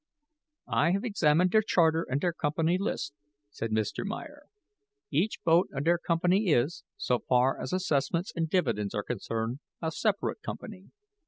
"I have examined der charter and der company lists," said Mr. Meyer; "each boat of der company is, so far as assessments and dividends are concerned, a separate company.